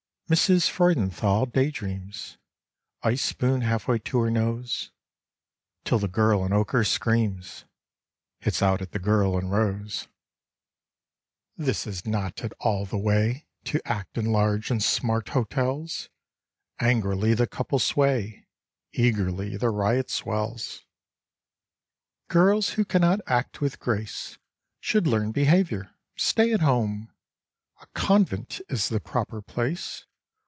Mrs. Freudenthal day dreams — Ice spoon half way to her nose — Till the girl in ochre screams, Hits out at the girl in rose. This is not at all the way To act in large and smart hotels ; Angrily the couples sway, Eagerly the riot swells. Girls who cannot act with grace Should learn behaviour ; stay at home ; A convent is the proper place.